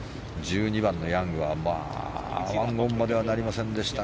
１２番のヤングは１オンまではなりませんでした。